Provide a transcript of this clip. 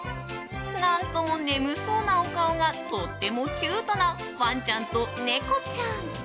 何とも眠そうなお顔がとってもキュートなワンちゃんと猫ちゃん。